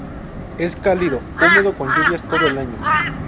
Es cálido húmedo con lluvias todo el año.